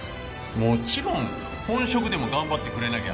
もちろん本職でも頑張ってくれなきゃ。